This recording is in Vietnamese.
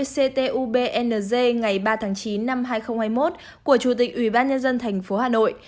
ba mươi ct ubnz ngày ba tháng chín năm hai nghìn hai mươi một của chủ tịch ủy ban nhân dân thành phố hà nội